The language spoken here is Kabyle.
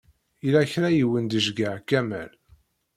Yella kra i wen-d-iceyyeɛ Kamal.